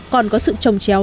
còn có sự trồng chéo